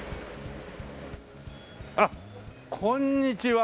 あっこんにちは。